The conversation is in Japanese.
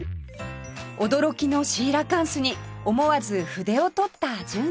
驚きのシーラカンスに思わず筆を執った純ちゃん